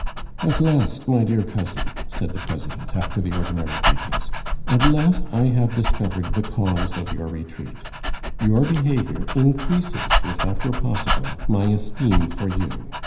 "At last, my dear cousin," said the President after the ordinary greetings; "at last I have discovered the cause of your retreat. Your behavior increases, if that were possible, my esteem for you.